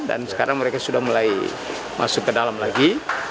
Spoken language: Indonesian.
dan sekarang mereka sudah mulai masuk ke dalam lagi